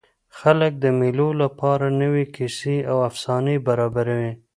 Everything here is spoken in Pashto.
خلک د مېلو له پاره نوي کیسې او افسانې برابروي.